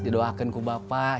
didoakan ku bapak